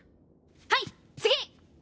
はい次！